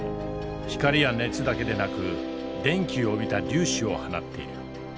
光や熱だけでなく電気を帯びた粒子を放っている。